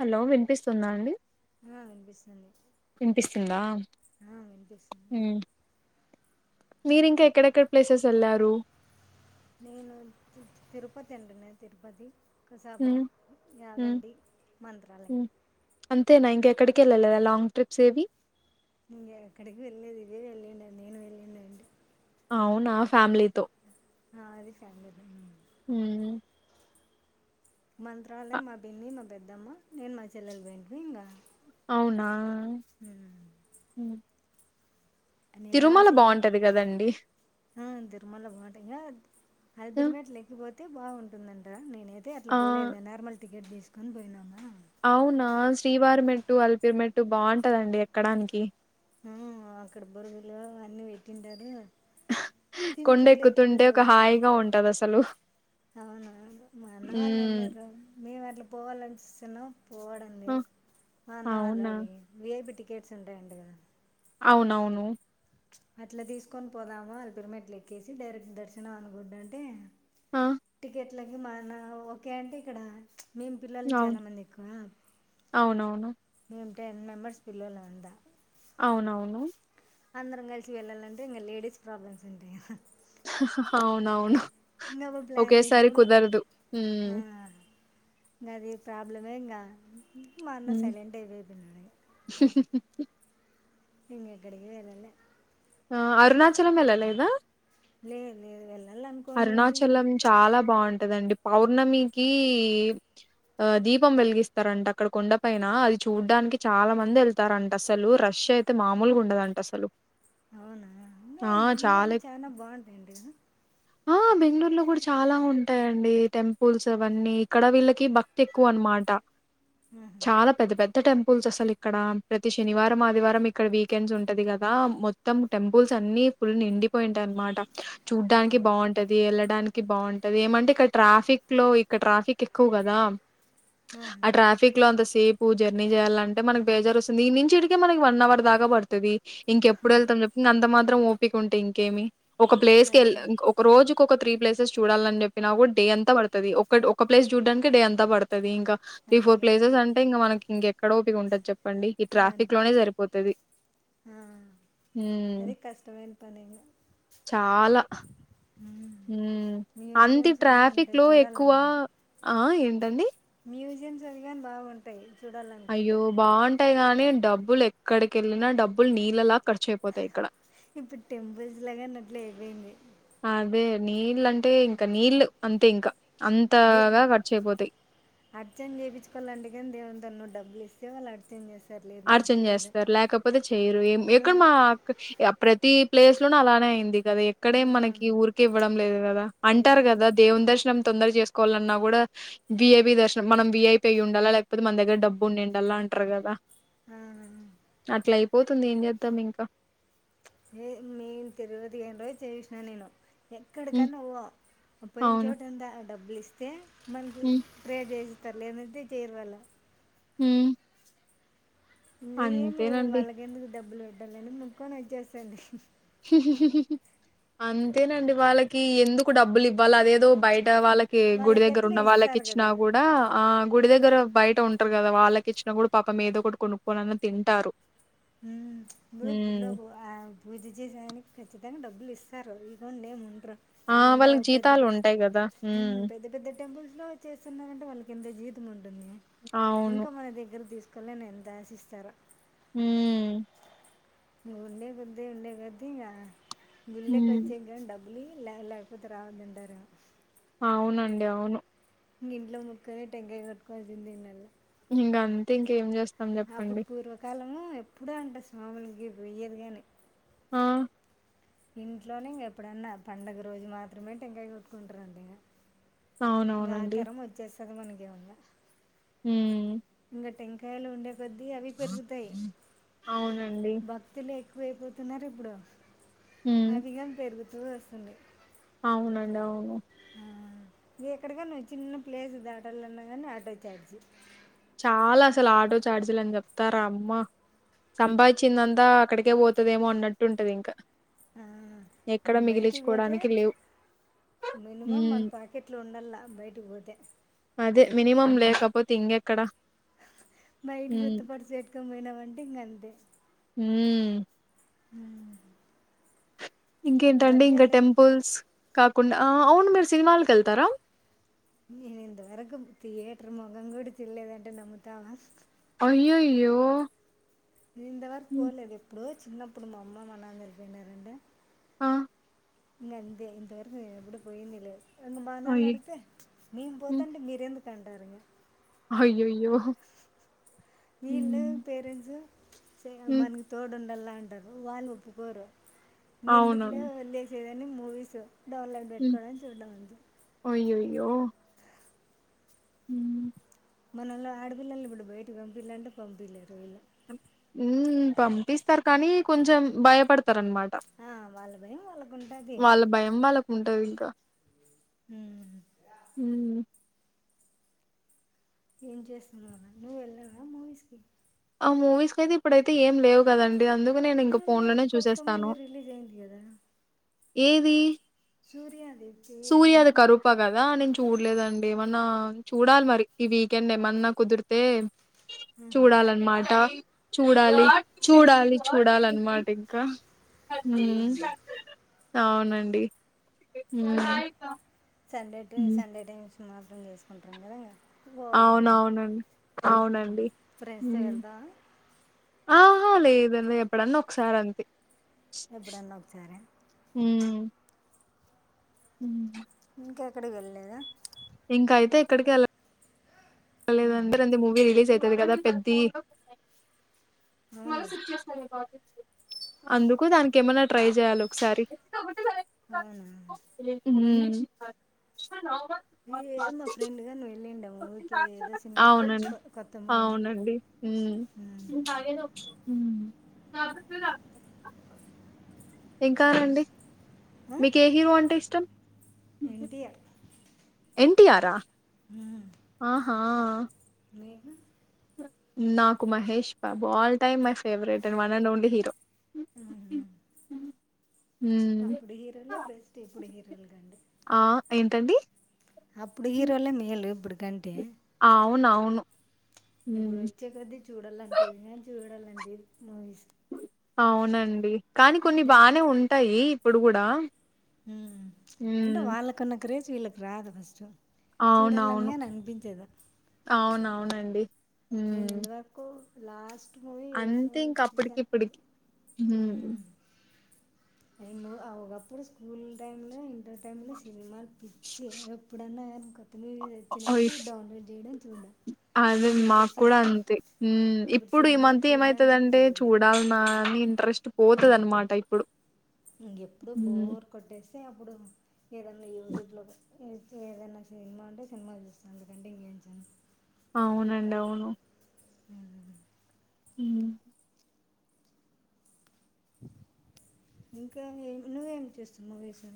Hello వినిపిస్తుందా అండి ఆ వినిపిస్సుంది వినిపిస్తుందా ఆ వినిపిస్సుంది మీరి ఇంకా ఎక్కడెక్కడ ప్లేసెస్ వెళ్లారు నేను తిరుపతి అంటన్న తిరుపతి మ్మ్ కసాపురం మ్మ్ యాగంటి మంత్రాలయం ఎక్కడికి వెళ్ళలేదా లాంగ్ ట్రిప్స్ ఏవి ఇంగ ఎక్కడికి వెళ్ళలేదు ఇదే వెళ్ళిండేది నేను వెళ్ళింది అండి అవునా ఫ్యామిలీతో ఆ అది ఫ్యామిలేలన్ మ్మ్ మంత్రాలయం అబ్బింది మమ్ పెద్దమ్మా నేను మా చెల్లెలు పోయింటిమి ఇంగ అవునా హ్మ్. నేను తిరుమల హసిన్ బావుంటది కదండి హ్మ్ తిరుమల వొంటెంగా ఆ అలిపిరి మెట్లు ఎక్కి పో అయితే బాగుంటుందంట నేనే అయితే అట్లా ఆ! పోలేదు నార్మల్ టికెట్ తీస్ చిసుకన బయనామా అవునా శ్రీవారి మెట్టు అలిపిరిమెట్టు బాగుంటదండి ఎక్కడానికి ఆ అక్కడ బురుగులు అన్ని పెట్టింటారు కొండ తినుకుంటే ఎక్కుతుంటే ఒక హాయిగా ఉంటది అసలు సలు అవున మా అన్నవాళ్ళు మ్మ్ అన్నారు మేము అట్లా పోవాలని చిన్న పోడండి అన్నా అవునా వాళ్ళది విఐపీ టికెట్స్ ఉంటాయంట కదా అవునవును అట్లా తీసుకొని పోదామా అలిపిరి మెట్లు ఎక్కేసి డైరెక్ట్ దర్శనం అనుకుంటాంటే ఆ అట్లాగ మన ఓకే అంటే ఇక్కడ మేము పిల్లలని చాలా అవును మంది ఎక్కువ అవునవును మేము టెన్ మెంబర్స్ పిల్లలు అంతా అవునవును అందరం కలిసి వెళ్ళాలంటే ఇంక లేడీస్ ప్రాబ్లమ్స్ ఉంటాయి కదా అవునవును ఇంకా అప్పుడు ప్లాన్ ఒకేసారి చేసినప్పుడు కుదరదు హ నది ప్రాబ్లమే ఇంకా మా అన్న హ్మ్. సైలెంట్ అయిపోతున్న ఇంకేక్కడికి వెళ్ళలే ఆ అరుణాచలం వెళ్ళ లేదా లేదు లేదు వె అరుణాచలం చాలా బాగు అంటదండి పౌర్ణమికి ఆ దీపం వెలిగిస్తారంట అక్కడ కొండపైన అది చూడ్డానికి చాలా మంది వెళ్తారంట అసలు రష్ అయితే మామూలుగా ఉండదంట అసలు అవునా ఆ! అ బెంగళూరులో ఎక్కువ. చాలా బాగుంటాయిండి ఆ బెంగళూరులో కూడా చాలా ఉంటాయండి టెంపుల్స్ అవన్నీ ఇక్కడ వీళ్ళకి భక్తి ఎక్కువ అనమాట ఆహా, చాలా పెద్ద పెద్ద [unintelligible] టెంపుల్స్ అసలు ఇక్కడ ప్రతి శనివారం ఆదివారం ఇక్కడ వీకెండ్స్ ఉంటది కదా మొత్తం టెంపుల్స్ అన్ని ఫుల్ నిండిపోయింటాయి అనమాట చూడ్డానికి బాగ వెళ్ళడానికి బాగుంటది ఏమంటే ఇక్కడ ట్రాఫిక్ లో ఇక్కడ ట్రాఫిక్ ఎక్కువ కదా ఆహా. ఆ ట్రాఫక్ లో అంత సేపు జర్నీ చేయాలంటే మనకి బేజారు వస్తుంది ఈ నుంచి ఇటికే మనకి వన్ అవర్ దాగా పడుతుంది ఇం ఎప్పుడుళ్తాం చెప్పి అంతం మాత్రం ఓపకుంటే ఇంకేమి ఒక ప్లేస్ క అది కాని రోజుకి ఒక త్రీ ప్లేసెస్ చూడాలని చెప్పినా కూడా డే అంత పడుతుది ఒక ప్లేస్ చూడానికి డే అంత పడుతుది ఇంకా త్రీ అది ఫోర్ కాని ప్లేసెస్ కరెక్ట్ అంటే ఇక మనకింక కడోపిగా ఉంటది చెప్ప చెప్పండి ఈ కాని ట్రాఫిక్ లోనే పని సరిపోతుది ఆ, అది కష్టమైన పని ఇంకా చాలా ఉమ్. అంత మ్యూజియంస్ అన్నీ ట్రాఫిక్ ఉంటాయి లో ఎక్కువ చూడాలనుకుంటే ఆ ఏంటండి మ్యూజియంస్ అవి కానీ బాగుంటాయి అయ్యో చూడాలనుకుంటే బాగుంటాయి కానీ డబ్బులు ఎక్కడికి వెళ్ళినా డబ్బులు నీళ్ళ లా ఇప్పుడు టెంపుల్స్ లాగా అన్నట్లు అపోయింది నీళ్ళు అంటే ఇంకా నీళ్ళు అంతే ఇంకా ద అంతగా ఖర్చు అయిపోతాయి. అర్చన్ చేపిచుకోవాలంటేకని దేవు [unintelligible] డబ్బులు ఇస్తా [unintelligible] అర్చం చేస్తారు లేదంటే అర్చన లేదు చేస్తారు లేకపోతే చెయరు ఏం ఆ, ఎక్కడ మా ప్రతి ప్లేస్ లోనూ అలానే అయింది ఎక్కడే ఆ, మనకి ఊరికి ఇవ్వడం లేదు కదా అది అంటారు కానీ కదా దేవుని దర్శనం తొందర చేసుకోవాలన్నా కూడా వఐపి దర్శనం మనం విఐపి అయ్య ఉండాలా లేకపోతే మన దగ్గర డబ్బు ఉన్నిండ్డల అంటారు కదా ఆ, అట్లా పోతుంది ఏం చేద్దాం ఇంకా ఏ నే తిరువతి పోయిన రోజు చేవిసిన నేను హ్మ్ ఎక్కడికన్నా పో పొయిన అవును చోటు అంత డబ్బు బ్లిస్తే హ్మ్ మంచికి [unintelligible] [unintelligible] చేయరువాల మ్మ్ ఇమి వాళ్ళకి ఎందుకు డబ్బులు [unintelligible] ముకొని వచ్చేస్తాది అంతేనండి వాళ్ళకి ఎందుకు డబ్బులు ఇవ్వల అదేదో బయట వాళ్ళకి గుడి వాళ్ళకి దగ్గర ఎట్లా ఉన్న వాళ్ళకి ఇస్తారు ఇచ్చినా కదా కూడా ఆ గుడి దగ్గర బయట ఉంటారు కదా వాళ్ళకి ఇచ్చిన కూడా పాపం ఏదోకటి కొనుక్కోని తింటారు [unintelligible] హ్మ్. [unintelligible] ఖచ్చితంగా డబ్బులు ఇస్తారు ఇకుండా ఏం ఆ! అంత వాళ్ళకి పెద్ద జీతాలుంటాయి గదా! హ్మ్. పెద్ద పెద్ద టెంపుల్స్ లో చేస్తున్నంటే వాళ్ళకి ఎంత జీ కున్ అవును. ఇంకా మన దగ్గర తీసుకు [unintelligible] ఎంత ఆశిస్తారా మ్మ్ ఉండే కొద్ది ఉండే కొద్ది ఇంగ గుళ్ళోకి హ్మ్. వచ్చేక బ్బు [unintelligible] లేవలేకపోతే రావద్దు అంటారా అవునండి అవును ఇక ఇంట్లో మొక్కని టెంగాయ కొట్టుకోవలసిందే ఈ నెలా ఇగా అంత ఇంకా ఏం చేస్తి అప్పుడు పూర్వకాలం ఎప్పుడూ అంట స్వాములకి పోయేది గాని ఆ ఇంట్లోనే ఇంక ఎప్పుడన్నా పండుగ రోజు మాత్రమే టెక్కాయ కొట్టుకుంటారంటా ఇంక ఇకా అవునవునండి. తరం వచ్చేసి [unintelligible] ఉ టెంకాయలు ఉండే కొద్ది అవిపెరుగుతాయి అవునండి. భక్తి లే ఎక్కువైపోతున్నారు ఇప్పుడు హ్మ్. అదికం పెరుదు చూ వేస్తుంది అవునండి అవును ఇ ఎక్కడక నువ్వు చిన్న ప్లేస్ దాటాలన్నా కాని ఆటో చార్జి చాలా అసలు ఆటో చఛార్జీలు అని చెప్తారా అమ్మ సంభావించిందంతా అక్కడికే పోతుదేమో అన్నట్టు ఉంటది ఇంకా ఆ మన ఎక్కడ బయటికి పోతే మిగిలించుకోవడానికి లేవు మినిమం మన ఉమ్ పాకెట్లు ఉండలా బయటకి పోతే అదే మినిమం లేకపోతే ఇ అక్కడ బయటి గుర్త్త పరిచట్టుకని పోయినామంటే ఇంగ అంతే హ్మ్ హ ఇంకేంటండీ ఇంక టెంపుల్స్ కాకుండా ఆ అవును మీరు సినిమాల్కెళ్తరా నేను ఇంతవరకు థియేటర్ ముగం కూడా చూడ్లేదంటే నమ్ముతావా అయ్యయో ను ఇంతవరకు పోలేదు ఎప్పుడు చిన్నప్పుడు మా అమ్మ మా నాన్న ఎళ్లిపోయినారంటే ఆ ఇంగ అంతే ఇంతవరకూ నేనుప్పుడు పోయింది లేదు ఇంగ మా నాన్నని అయ్ అడుగుతే చ్ నేను పోతాంటే మీరెందుకు తంటారంగ అయ్యయో హ్ నీళ్ళు పేరెంట్స్ సేయ్ అమ్ ఉమ్ మనకి తోడు ఉండాల అంటారు వాల్ ఓప్పు కోరు ఇంగందుకులే అవునవును వదిలేసేవే అన్ని మూవీసు డవన్లడ్ పెట్టుకోవడం చూడడం అంతే యో మ్మ్ మనలో ఆడపిల్లలు ఇప్పుడు బయటకి పంపిలంటే పంపీలేరు వీళ్ళు మ్మ్ పంపిస్తారు కానీ కొంచెం భయపడుత తరనమాట ఆ, వాళ్ళ భయం వాళ్ళకు వాళ్ళ ఉంటుంది భయం వాళ్ళకు ఉంటది హ్మ్ ఏం చేస్తునావన్న నువ్వు వెళ్ళావా మూవీస్ కి ఆ మూవీస్ కయితే ఇప్పుడైతే ఏం లేవు కదండి అందు అ లే అది కొత్త మూవీ రిలీజ్ అయింది కదా ఏది సూర్యన్ సూర్య ది కరూపగదా నేను చూ చూడలేదండి ఏమన్నా చూడాలి మరి ఈ వీకెండ్ ఏమన్నా కుదిరితే ఆహా చూడాలనమాట చూడాలి చూడాలి చూడాలి అన్నమాట ఇంకా ఆ, హ్మ్ అవునండి హ్మ్. ఇంగ సండే టు హ్మ్. సండే టైమ్ సుమార్థం చేసుకుంటారాం కదా పోవాలనుకుంటే అవునవునండి అవునండి ఫ్రెండ్స్తో ఉమ్ వెళ్తావా ఆహా లేదండి ఎప్పుడన్న ఒకసారి అంతే ఎప్పుడన్నా ఒకసారిే హుమ్ ఇంకెక్కడికి వెళ్ళలేదా ఇంకా అయితే ఎక్కడికి వెలా వెల్ల లేదండి అ మూవీ రలీస్యయితు పెద్దది కదా పెద్ది మ అవునులే సచ్చి అస్తానికి బ అందుకు దానికి ఏమన్నా ట్రై చేయాలి ఒకసారి అవునా [unintelligible] ఏదో మా ఫ్రెండ్గా నువ్వు వెళ్ళిండే మూవీకి అది ఏదో సినిమా అవునండి కొ- కొత్త మూవీనే అవునండి హుమ్ సదు రా ఏం కావాలండి మీకు ఏ హీరో అంటే ఇష్టం ఎన్టీఆర్ ఎన్టీటిఆరా ఆహా మీకు నాకు Mahesh Babu all time my favourite and one and only hero ఆహా. హ్మ్ అప్పుడు హీరోలే బెస్ట్ ఇప్పుడు హీరోలు కండి టండీ అప్పుడు హీరోలే మేలు ఇప్పుడు ఎందుకంటే అవునవును ఇప్పుడు హ్మ్ వచ్చే కొద్ది చూడాలనిపియద్దు చూడాల [unintelligible] మూవీస్ అవునండి కానీ కొన్ని బానే ఉంటాయి ఇప్పుడు కూడా అంటే హ్మ్ వాళ్ళకున్న క్రేజ్ ఇళ్ళకు రద్దు ఫస్ట్ చూడాలని అవునవును కానీ అనిపించదు అవునవును అండి నేను ఇంతవరకు లాస్ట్ మూవీ అంతే ఇంకా అప్పుటికి చూసాను ఇప్పుటికి అంతే ఒకప్పుడు స్కూల్ టైమ్ లో ఇంటర్ టైంలో సినిమాలు పిచ్చి ఎప్పుడన్నా కొత్త మూవీస్ అయ్ వచ్చినాయంటే డౌన్లోడ్ చేయడం చూడం అదే ఇప్పుడు మాకు సి కూడా అంతే ఇప్పుడు ఈ సినిమాలు మధ్య చూద్దాం అంటే కానీ ఏమైతుదంటే తెలియదు కదా చూడాలన్నా ఇంట్రెస్ స్ పోతద అనమాట ఇప్పుడు ఇక ఎప్పుడు హ్మ్ బోర్ కొట్టేసి అప్పుడు ఏదన్నా యూట్యూబ్లో [unintelligible] ఏదన్నా చేయమంటే సినిమా ఉంటే సినిమా చూస్తాను అందుకంటే ఇంకేం చేను అవునండి అవును అ మ్మ్ ఇంకా ఏ నువ్వేమి చేస్తున్నా వేసర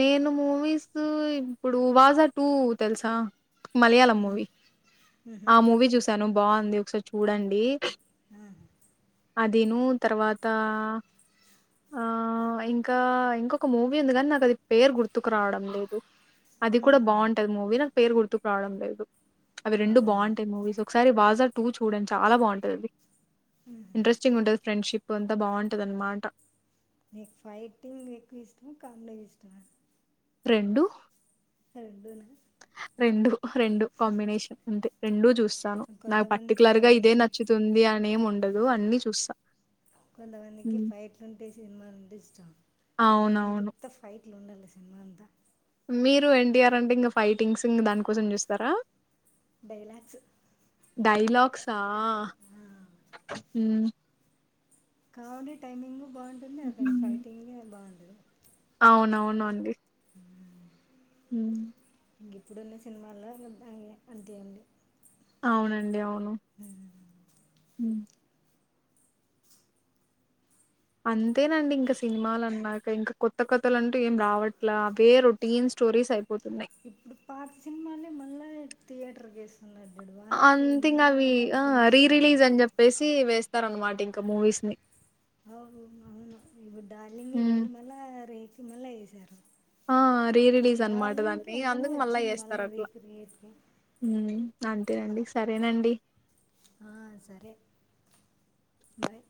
నేను మూవీస్ ఇప్పుడు వాజా టూ తెలుసా మలయాళం మూవి ఆ మూవీ చూసాను బాగుంది ఒకసారి చూడండి ఆ అదిను తర్వాత ఆ ఇంకా ఇంకొక మూవీ ఉంది కానీ నాకు అది పేరు గుర్తుకు రావడం లేదు అది కూడా బాగుంటది మూవీ నా పేరు గుర్తుకువడం లేదు అవి రెండు అవునా బాగుంటాయి మూవీస్ ఒకసారి బాజా టూ చూడండి చాలా బావుంటదది ఇంట్రెస్టింగ్ ఉంటది ఫ్రెండ్షిప్ పొంత బావుంటది అన్నమాట నీకు ఫైటింగ్ ఎక్కువ ఇష్టమా కమెడి ఇష్టమా రెండు రెండూన రెండు రెండు కాంబినేషన్ అంతే రెండు చూ స్తాను నాకు కొంతమందికి పర్టికులర్ గా ఇదే అవంటేనే నచ్చుతుంది అ నేం ఉండదు అన్ని చూస్తా కొంతవందికి హ్మ్. ఫైట్లుంటే సినిమాలంటే ఇష్టం నా దమ్మునికి అవునవును ఉత్త ఫైట్ ఇట్లుండాలి సినిమా అంతా మీరు ఎన్టీఆర్ అంటే ఇంకా ఫైటింగ్స్ ఇంక దానికోసం చూస్తారా డైలాగ్స్ డైలాగ్సా మ్మ్ కామెడి టైమింగ్ బావుంటుంది అతని ఫైటింగే బావుండదు అవునవునండి మ్మ్ ఇంగిప్పుడున్న సినిమాల్లో [inaudible] అంతేంది అవునండి అవు అంతేనండి ఇంకా సినిమాలు అన్నాక ఇంకా కొత్త కొథత్తలు అంటూ ఏం రావట్లా అవే రొటీన్ స్టోరీస్ అయిపోత ఇప్పుడు పాత సినిమాలే మళ్ళా థయేటర్కి అంత ఇంకా అవి ఆ రీ ఏమొస్తున్నాయి రిలీజ్ అని చెప్పేసి వే ఇస్తార అనమాట ఇంకా మూవీస్ ని అవు అవును ఇ డలింగ్ హ్మ్. ఇవన్నీ మ రే కిమళ్ళ చేసారు ఆ రీ రిలీజ్ అనమాట దాన్ని ఎంతనో అందుకు మళ్ళా వచ్చింది మళ్ళీ చేస్తారు అట్లా రీక్రియేట్కి అంతేనండి సరేనండి ఆ సరే బాయ్